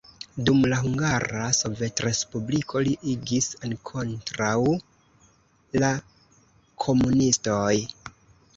Dum la Hungara Sovetrespubliko li agis kontraŭ la komunistoj.